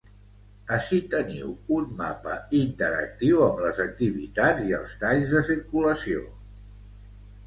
Ací teniu un mapa interactiu amb les activitats i els talls de circulació.